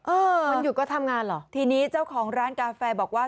วันหยุดก็ทำงานเหรอทีนี้เจ้าของร้านกาแฟบอกว่า